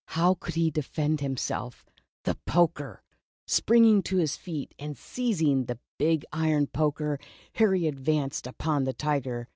How could he defend himself ? The poker ! Springing to his feet and seizing the big iron poker, Harry advanced upon the Tiger.